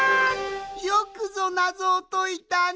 よくぞナゾをといたの！